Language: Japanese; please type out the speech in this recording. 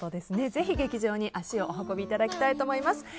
ぜひ、劇場に足をお運びいただきたいと思います。